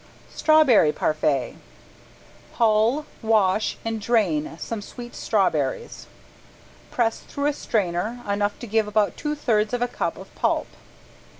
~STRAWBERRY PARFAIT~ Hull, wash and drain some sweet strawberries. Press through a strainer enough to give about two thirds of a cup of pulp.